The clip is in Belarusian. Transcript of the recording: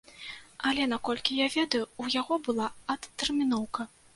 Але, наколькі я ведаю, у яго была адтэрміноўка.